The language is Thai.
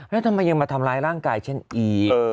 แล้วทำไมยังมาทำร้ายร่างกายฉันอีก